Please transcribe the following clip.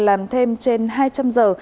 làm thêm trên hai trăm linh giờ